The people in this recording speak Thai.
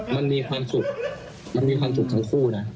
มันมีความสุขมันมีความสุขทั้งคู่นะ